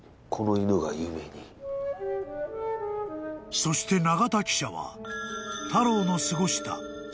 ［そして長田記者はタローの過ごした］